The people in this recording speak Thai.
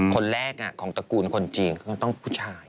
คนแรกของตระกูลคนจีนก็ต้องผู้ชาย